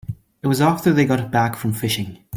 It was after they got back from fishing.